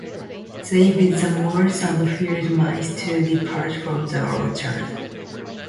They bid the moles and field mice to depart from the orchards.